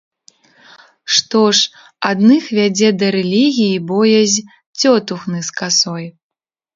Што ж, адных вядзе да рэлігіі боязь цётухны з касой.